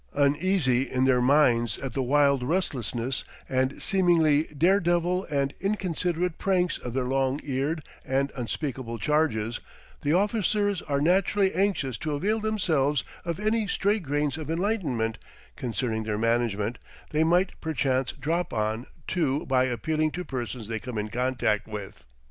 Uneasy in their minds at the wild restlessness and seemingly dare devil and inconsiderate pranks of their long eared and unspeakable charges, the officers are naturally anxious to avail themselves of any stray grains of enlightenment concerning their management they might perchance drop on to by appealing to persons they come in contact with.